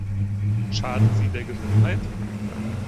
Schaden sie der Gesundheit?